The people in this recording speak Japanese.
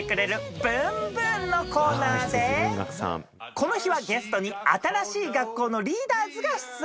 この日はゲストに新しい学校のリーダーズが出演。